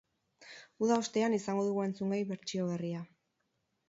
Uda ostean izango dugu entzungai bertsio berria.